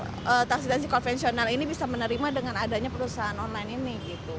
bagaimana caranya biar taksi taksi konvensional ini bisa menerima dengan adanya perusahaan online ini